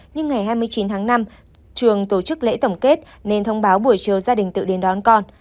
nhưng ngày hai mươi chín tháng năm trường tổ chức lễ tổng kết nên thông báo buổi chiều gia đình tự đến đón con